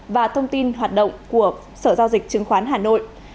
và thông tin hoạt động của sở giao dịch chứng khoán hà nội